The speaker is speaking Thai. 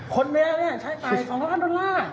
คนแม่ใช้จ่าย๒ล้านดอลลาร์